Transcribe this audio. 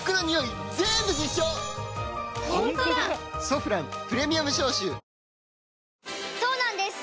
「ソフランプレミアム消臭」そうなんです